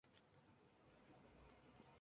Posteriormente entró en el mundo de la política.